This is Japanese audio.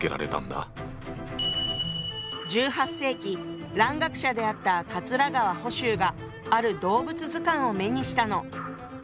１８世紀蘭学者であった桂川甫周がある動物図鑑を目にしたの。